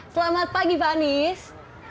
selamat pagi pak anies